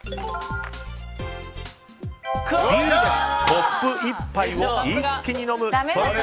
コップ１杯を一気に飲む。